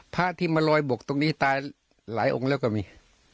พระที่มาลอยบกตรงนี้ตายหลายองค์แล้วก็มี